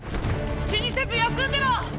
気にせず休んでろ！